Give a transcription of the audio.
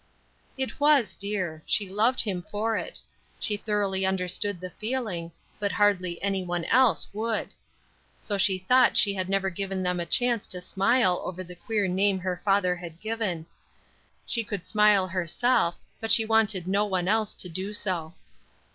It was dear; she loved him for it; she thoroughly understood the feeling, but hardly any one else would. So she thought she had never given them a chance to smile over the queer name her father had given. She could smile herself, but she wanted no one else to do so.